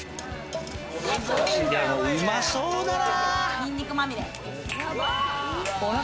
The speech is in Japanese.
うまそうだな！